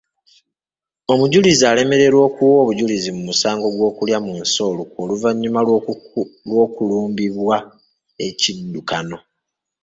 Omujulizi alemererwa okuwa obujulizi mu musango gw'okulya mu nsi olukwe oluvannyuma lw'okulumbibwa ekiddukano.